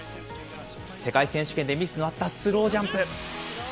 世界選手権でミスのあったスロージャンプ。